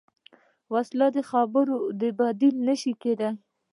وسله د خبرو بدیل نه شي کېدای